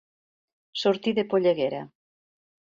Sortir de polleguera.